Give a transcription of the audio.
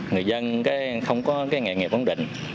người dân không có nghề nghiệp ống định